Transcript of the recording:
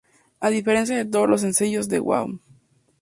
A diferencia de todos los sencillos de Wham!